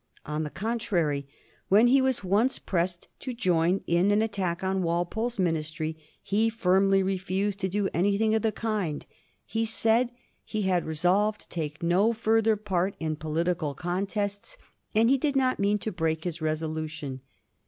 On the contrary, when he was once pressed to join in an attack on Walpole's ministry, he firmly refused to do anything of the kind. He said he had resolved to take no further part in poUtical contests, and he did not mean to break his resolution.